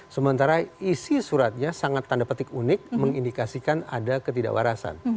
sementara isi suratnya sangat tanda petik unik mengindikasikan ada ketidakwarasan